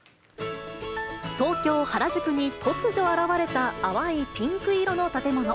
東京・原宿に突如現れた淡いピンク色の建物。